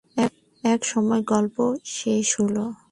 এক সময় গল্প শেষ হল।